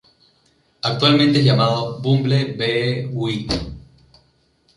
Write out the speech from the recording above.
Actualmente es llamado "bumblebee-ui".